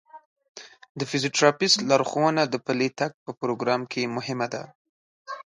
د فزیوتراپیست لارښوونه د پلي تګ په پروګرام کې مهمه ده.